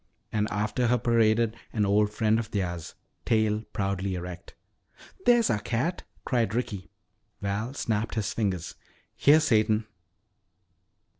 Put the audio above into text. And after her paraded an old friend of theirs, tail proudly erect. "There's our cat!" cried Ricky. Val snapped his fingers. "Here, Satan."